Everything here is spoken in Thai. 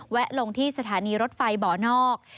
ลงที่สถานีรถไฟบ่อนอก